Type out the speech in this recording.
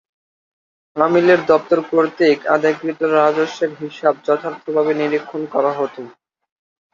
আমিলের দপ্তর কর্তৃক আদায়কৃত রাজস্বের হিসাব যথার্থভাবে নিরীক্ষণ করা হতো।